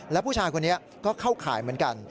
แล้วผู้ชายคนนี้ก็เข้าข่ายเหมือนกัน